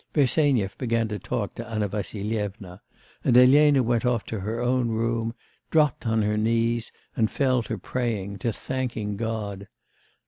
Bersenyev began to talk to Anna Vassilyevna, and Elena went off to her own room, dropped on her knees and fell to praying, to thanking God.